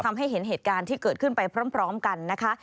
ทำให้เห็นเหตุการณ์ที่เกิดขึ้นไปพร้อมกันนะคะ